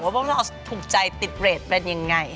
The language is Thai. พวกเราถูกใจติดเรทเป็นยังไง